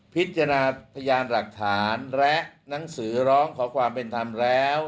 พยานหลักฐานและหนังสือร้องขอความเป็นธรรมแล้ว